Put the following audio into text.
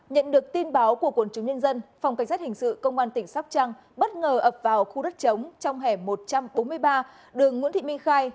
nhận được tin báo của quần chúng nhân dân phòng cảnh sát hình sự công an tỉnh sóc trăng bất ngờ ập vào khu đất chống trong hẻm một trăm bốn mươi ba đường nguyễn thị minh khai